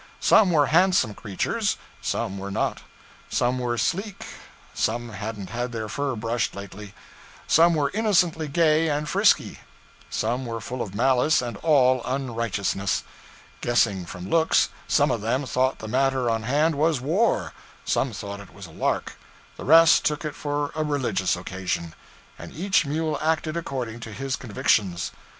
Some were handsome creatures, some were not; some were sleek, some hadn't had their fur brushed lately; some were innocently gay and frisky; some were full of malice and all unrighteousness; guessing from looks, some of them thought the matter on hand was war, some thought it was a lark, the rest took it for a religious occasion. And each mule acted according to his convictions.